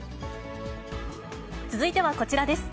続いてはこちらです。